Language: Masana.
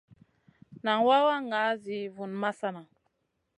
Nan wawa ŋa zi vun masana.